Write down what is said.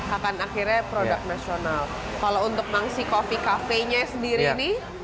akan akhirnya produk nasional kalau untuk mangsih kopi cafe nya sendiri ini